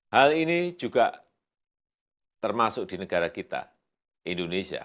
hal ini juga termasuk di negara kita indonesia